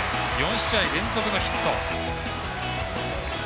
４試合連続のヒット。